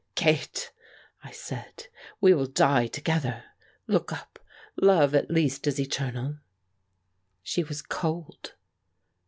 "Kate," I said, "we will die together. Look up. Love at least is eternal." She was cold.